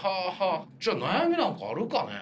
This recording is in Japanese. じゃあ悩みなんかあるかね？